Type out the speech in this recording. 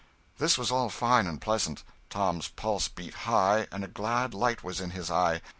This was all fine and pleasant. Tom's pulse beat high, and a glad light was in his eye.